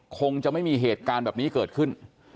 คงจะไม่มีเหตุการณ์แบบนี้เกิดขึ้น